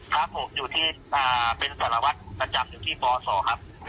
ครับผม